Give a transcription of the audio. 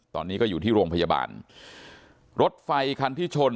ตอนนี้ก็อยู่ที่โรงพยาบาลรถไฟคันที่ชน